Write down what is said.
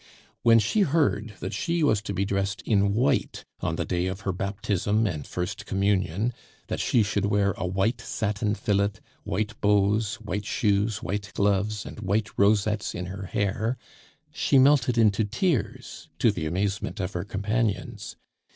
When she heard that she was to be dressed in white on the day of her baptism and first Communion, that she should wear a white satin fillet, white bows, white shoes, white gloves, and white rosettes in her hair, she melted into tears, to the amazement of her companions.